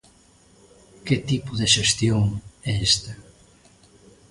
¿Que tipo de xestión é esta?